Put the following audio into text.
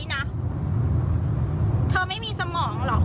กินให้ดูเลยค่ะว่ามันปลอดภัย